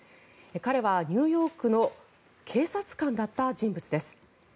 彼はニューヨークの警察官だった人物です。